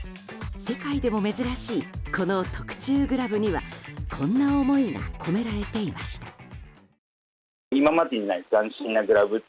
世界でも珍しいこの特注グラブにはこんな思いが込められていました。